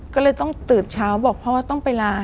ก็เลยต้องตื่นเช้าบอกพ่อต้องไปลา